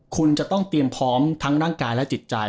คุณจะต้องเตรียมพร้อมทั้งร่างกายและจิตใจ